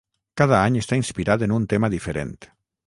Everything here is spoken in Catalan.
Cada any està inspirat en un tema diferent.